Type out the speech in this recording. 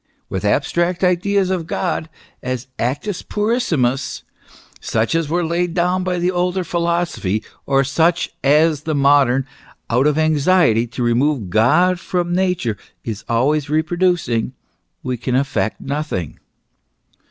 " With abstract ideas of God as actus puris simus, such as were laid down by the older philosophy, or such as the modern, out of anxiety to remove God far from Nature, is always reproducing, we can effect nothing.